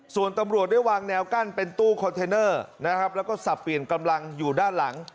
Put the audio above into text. ส่วนตำรวจได้วางแนวกั้นเป็นตู้คอนเทนเนอร์นะครับแล้วก็สับเปลี่ยนกำลังอยู่ด้านหลัง